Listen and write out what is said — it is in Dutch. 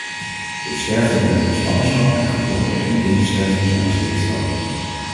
De sterfte rondom zwangerschap en geboorte en de kindersterfte zijn nog steeds te hoog.